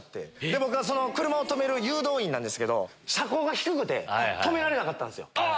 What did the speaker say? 僕がその車を止める誘導員なんですけど車高が低くて止められなかったんですよ。